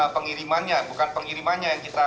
pengirimannya bukan pengirimannya yang kita